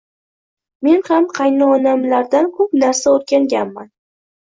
Men ham qaynonamlardan koʻp narsa oʻrganganman.